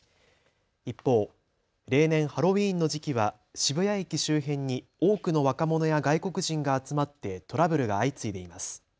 一方、例年、ハロウィーンの時期は渋谷駅周辺に多くの若者や外国人が集まってトラブルが相次いでいます。